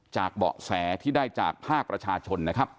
เบาะแสที่ได้จากภาคประชาชนนะครับ